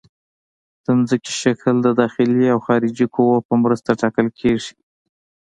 د ځمکې شکل د داخلي او خارجي قوو په مرسته ټاکل کیږي